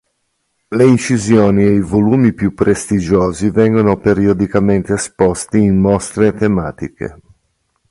Le incisioni e i volumi più prestigiosi vengono periodicamente esposti in mostre tematiche.